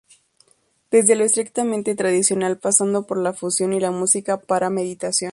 Desde lo estrictamente tradicional pasando por la fusión y la música para meditación.